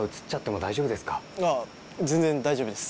全然大丈夫です。